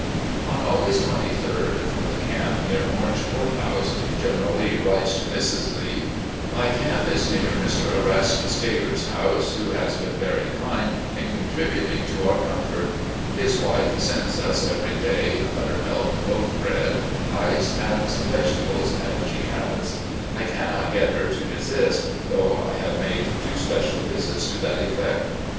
..." On August 23d, from the camp near Orange Qjiirt House, General Lee writes to Mrs. Lee: "... My camp is near Mr. Erasmus Taylor's house, who has been very kind in contributing to our comfort. His wife sends us, every day, buttermilk, loaf bread, ice, and such vegetables as she has. I cannot get no RECOLLECTIONS OP GENERAL LEE her to desist, though I have made two special visits to that effect.